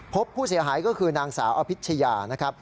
พบผู้เสียหายก็คือนางสาวอภิชยานะครับ